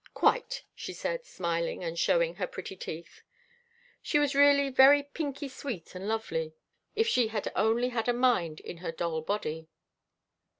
"Quite," she said, smiling and showing her pretty teeth. She was really very pinky sweet and lovely. If she had only had a mind in her doll body.